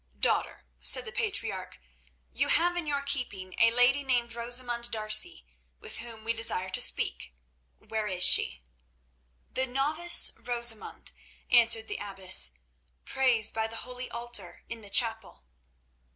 "Daughter," said the patriarch, "you have in your keeping a lady named Rosamund D'Arcy, with whom we desire to speak. Where is she?" "The novice Rosamund," answered the abbess, "prays by the holy altar in the chapel."